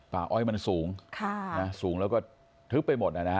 อ้อยมันสูงสูงแล้วก็ทึบไปหมดนะฮะ